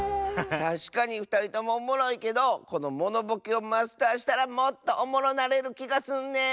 たしかにふたりともおもろいけどこのモノボケをマスターしたらもっとおもろなれるきがすんねん！